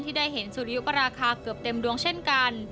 ได้เห็นสุริยุปราคาเกือบเต็มดวงเช่นกัน